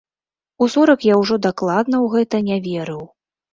У сорак я ўжо дакладна ў гэта не верыў.